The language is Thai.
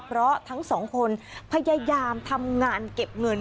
เพราะทั้งสองคนพยายามทำงานเก็บเงิน